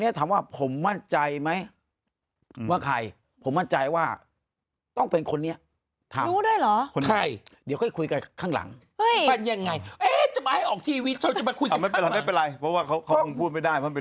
เราไม่คิดว่าเฮ้ยวันหนึ่งเราต้องมาสร้างพญานาคสร้างพญาคุด